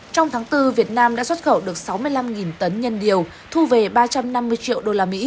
trong tháng bốn việt nam đã xuất khẩu được sáu mươi năm tấn nhân điều thu về ba trăm năm mươi triệu usd